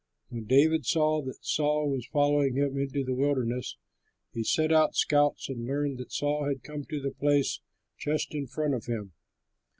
When David saw that Saul was following him into the wilderness, he sent out scouts and learned that Saul had come to the place just in front of him.